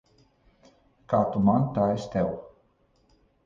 Kā tu man, tā es tev.